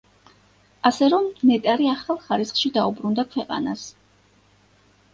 ასე რომ, ნეტარი ახალ ხარისხში დაუბრუნდა ქვეყანას.